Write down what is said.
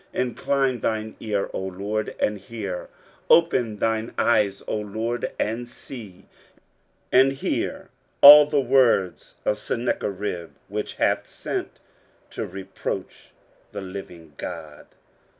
23:037:017 Incline thine ear, O LORD, and hear; open thine eyes, O LORD, and see: and hear all the words of Sennacherib, which hath sent to reproach the living God.